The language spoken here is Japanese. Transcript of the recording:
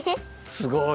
すごい。